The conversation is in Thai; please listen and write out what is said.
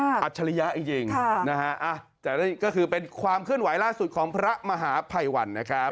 อาชารยะที่จริงนะฮะก็คือเป็นความขึ้นไหวล่าสุดของพระมหาภัยวัลนะครับ